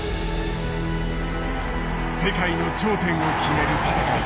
世界の頂点を決める戦い。